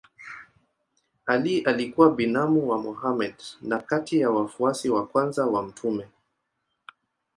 Ali alikuwa binamu wa Mohammed na kati ya wafuasi wa kwanza wa mtume.